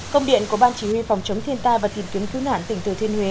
công điện của ban chỉ huy phòng chống thiên tai và tìm kiếm cứu nạn tỉnh thừa thiên huế